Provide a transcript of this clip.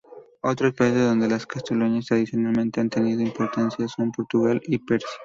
Otros países donde las castañuelas tradicionalmente han tenido importancia son Portugal y Persia.